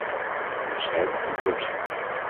De bestrijding van corruptie.